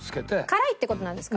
辛いって事なんですか？